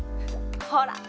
ほら！